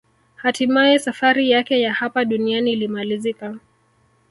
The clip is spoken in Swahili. Hatimaye safari yake ya hapa duniani ilimalizika